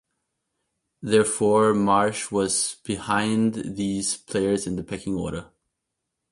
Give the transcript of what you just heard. Therefore, Marsh was behind these players in the pecking order.